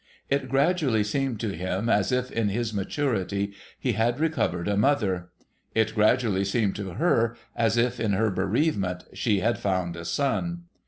It gradually seemed to him as if in his maturity he had recovered a mother ; it gradually seemed to her as if in her bereavement she had found a son.